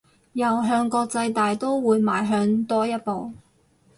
又向國際大刀會邁向多一步